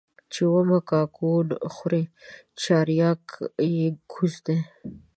چي اومه کاکونه خوري چارياک يې گوز دى.